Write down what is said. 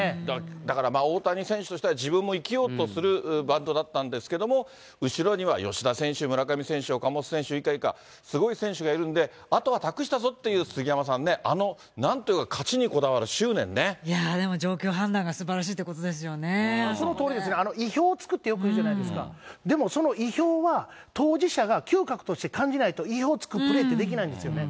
だからまあ、大谷選手としては自分も生きようとするバントだったんですけど、後ろには吉田選手、村上選手、岡本選手、以下以下、すごい選手がいるんで、あとは託したぞっていう、杉山さんね、あいやーでも状況判断がすばらそのとおりですね、意表をつくってよく言うじゃないですか、でもその意表は、当事者が嗅覚として感じないと、意表をつくプレーってできないんですよね。